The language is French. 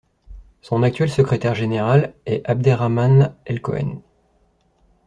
Son actuel secrétaire général est Abderrahmane El Cohen.